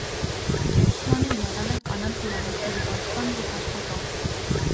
Գերշմանը եղել է կանանց իրավունքների պաշտպան գիտաշխատող։